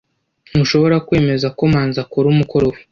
Ntushobora kwemeza ko Manzi akora umukoro we?